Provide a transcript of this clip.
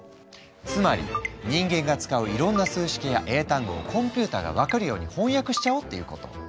つまり人間が使ういろんな数式や英単語をコンピューターが分かるように翻訳しちゃおうっていうこと。